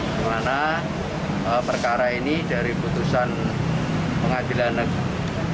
di mana perkara ini dari putusan pengadilan negeri